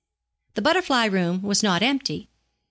The butterfly room was not empty.